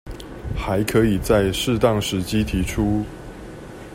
還可以在適當時機提出